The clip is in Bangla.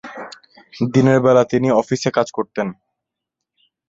দিনের বেলা তিনি অফিসে কাজ করতেন।